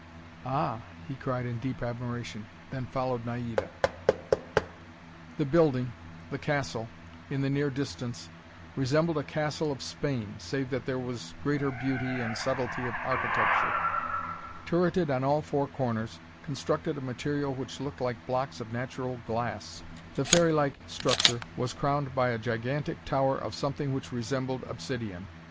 "Ah!" he cried in deep admiration, then followed Naida. The building the castle in the near distance, resembled a castle of Spain, save that there was greater beauty and subtlety of architecture. Turreted on all four corners, constructed of material which looked like blocks of natural glass, the fairylike structure was crowned by a gigantic tower of something which resembled obsidian.